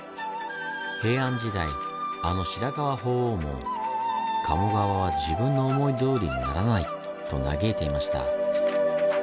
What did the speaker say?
平安時代あの白河法皇も「鴨川は自分の思いどおりにならない」と嘆いていました。